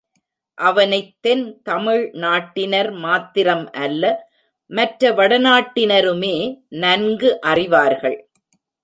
அவனைத் தென் தமிழ் நாட்டினர் மாத்திரம் அல்ல மற்ற வடநாட்டினருமே நன்கு அறிவார்கள்.